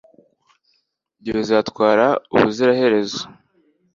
ibyo bizatwara ubuziraherezo